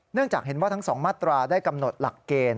จากเห็นว่าทั้ง๒มาตราได้กำหนดหลักเกณฑ์